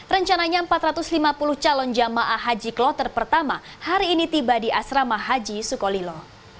rencananya empat ratus lima puluh calon jamaah haji kloter pertama hari ini tiba di asrama haji sukolilo